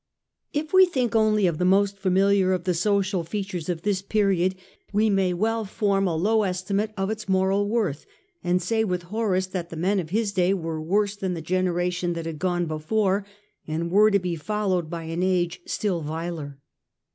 Tf we think only of the most familiar of the social fea tures of this period we may well form a low estimate of its moral worth, and say with Horace that the The natural men of his day were worse than the generation (fJiieveTha^ that had gone before, and were to be followed there was a by an age still viler.